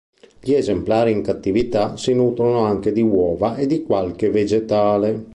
Gli esemplari in cattività si nutrono anche di uova e di qualche vegetale.